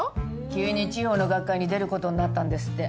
急に地方の学会に出る事になったんですって。